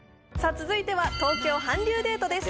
続いては「東京韓流デート」です